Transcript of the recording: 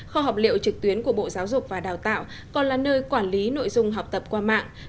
kho học liệu trực tuyến của bộ giáo dục và đào tạo còn là nơi quản lý nội dung học tập qua mạng